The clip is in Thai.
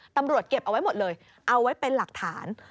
ตำรวจเก็บเอาไว้หมดเลยเอาไว้เป็นหลักฐาน